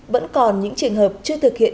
vẫn còn những trường hợp chưa thực hiện